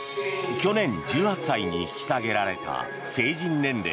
去年１８歳に引き下げられた成人年齢。